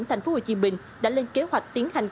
tp hcm đã lên kế hoạch tiến hành